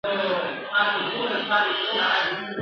چا ویل چي دا ګړی به قیامت کیږي؟ ..